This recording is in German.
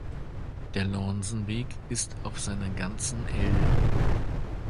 Der Lornsenweg ist auf seiner ganzen L